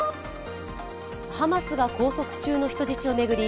ハマスが拘束中の人質を巡り